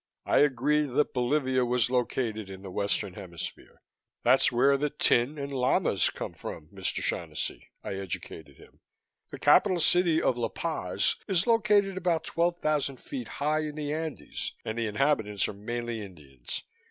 I agreed that Bolivia was located in the Western Hemisphere. "That's where the tin and llamas come from, Mr. Shaughnessy," I educated him. "The capital city of La Paz is located about twelve thousand feet high in the Andes and the inhabitants are mainly Indians.